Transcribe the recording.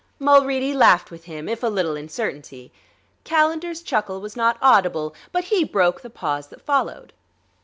Mulready laughed with him, if a little uncertainly. Calendar's chuckle was not audible, but he broke the pause that followed.